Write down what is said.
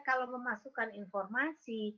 kalau memasukkan informasi